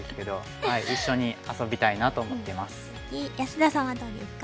安田さんはどうですか？